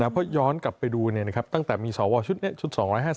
เพราะย้อนกลับไปดูตั้งแต่มีสวชุดนี้ชุด๒๕๐